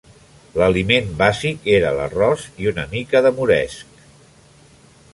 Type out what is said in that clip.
L'aliment bàsic era l'arròs i una mica de moresc.